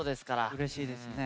うれしいですね。